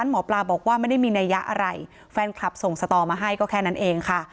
หมอปลาบอกว่าไม่ได้มีนัยยะอะไรแฟนคลับส่งสตอมาให้ก็แค่นั้นเองค่ะ